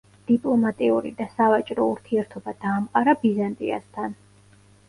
დიპლომატიური და სავაჭრო ურთიერთობა დაამყარა ბიზანტიასთან.